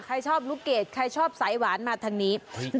ใครชอบลูกเกดใครชอบสายหวานมาทางนี้